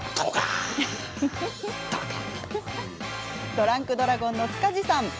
ドランクドラゴン、塚地さん。